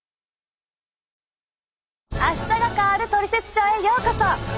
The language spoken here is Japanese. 「あしたが変わるトリセツショー」へようこそ！